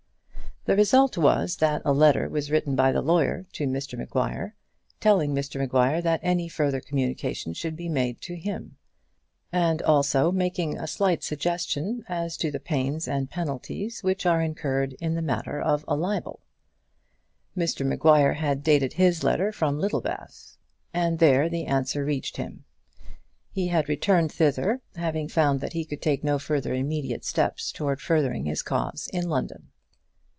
The result was that a letter was written by the lawyer to Mr Maguire, telling Mr Maguire that any further communication should be made to him; and also making a slight suggestion as to the pains and penalties which are incurred in the matter of a libel. Mr Maguire had dated his letter from Littlebath, and there the answer reached him. He had returned thither, having found that he could take no further immediate steps towards furthering his cause in London.